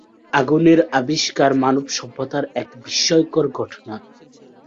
আগুনের আবিষ্কার মানবসভ্যতার এক বিস্ময়কর ঘটনা।